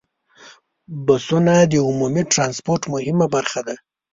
بسونه د عمومي ټرانسپورت مهمه برخه ده.